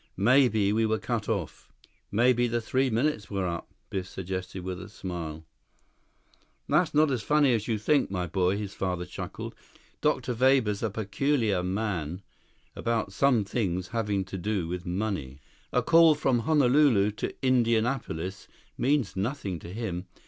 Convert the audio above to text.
Maybe we were cut off." "Maybe the three minutes were up," Biff suggested with a smile. 8 "That's not as funny as you think, my boy," his father chuckled. "Dr. Weber's a peculiar man about some things having to do with money. A call from Honolulu to Indianapolis means nothing to him.